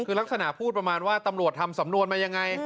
คือลักษณะพูดประมาณว่าตำรวจทำสำนวนมายังไง